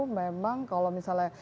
memang kalau misalnya